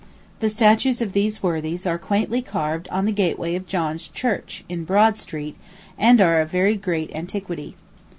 The statues of these worthies are quaintly carved on the gateway of John's Church, in Broad Street, and are of very great antiquity.